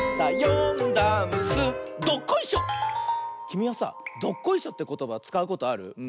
きみはさ「どっこいしょ」ってことばつかうことある？